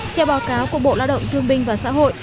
theo báo cáo của bộ lao động thương binh và xã hội